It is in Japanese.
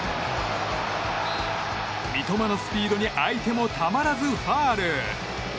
三笘のスピードに相手もたまらずファウル。